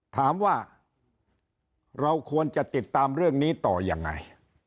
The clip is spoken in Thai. ถามว่าเราควรจะติดตามเรื่องนี้ต่อยังไง